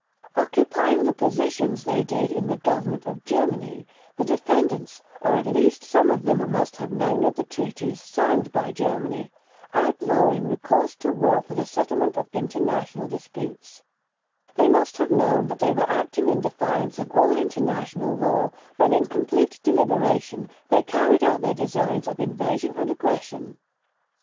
Occupying the positions they did in the Government of Germany, the defendants, or at least some of them must have known of the treaties signed by Germany, outlawing recourse to war for the settlement of international disputes; they must have known that they were acting in defiance of all international law when in complete deliberation they carried out their designs of invasion and aggression.